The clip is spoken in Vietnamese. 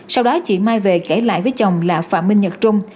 sau đó chị mai về kể lại với chồng là phạm minh nhật trung